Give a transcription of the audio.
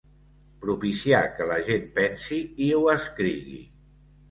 Propiciar que la gent pensi i ho escrigui.